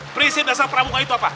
prinsip dasar pramuka itu apa